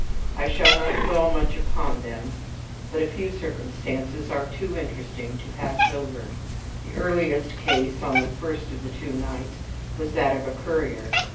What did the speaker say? I shall not dwell much upon them; but a few circumstances are too interesting to be passed over. The earliest case on the first of the two nights was that of a currier.